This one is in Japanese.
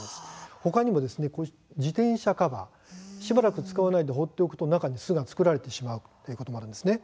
ほかにも自転車カバーしばらく使わないで放っておくと巣が作られてしまうということがあるんです。